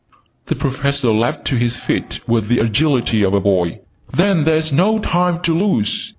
The Professor leapt to his feet with the agility of a boy. "Then there's no time to lose!"